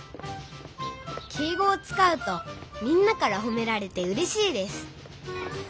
敬語をつかうとみんなからほめられてうれしいです